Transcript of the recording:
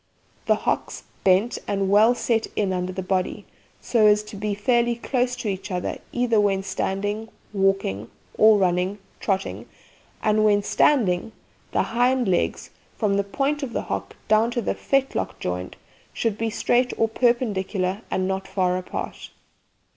The hocks bent and well set in under the body, so as to be fairly close to each other either when standing, walking, or running (trotting); and, when standing, the hind legs, from the point of the hock down to fetlock joint, should be straight or perpendicular and not far apart.